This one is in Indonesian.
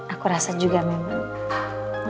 aku rasa juga memang